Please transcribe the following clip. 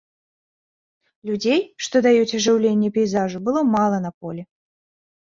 Людзей, што даюць ажыўленне пейзажу, было мала на полі.